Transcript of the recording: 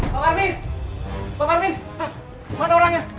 pak parmin pak parmin mana orangnya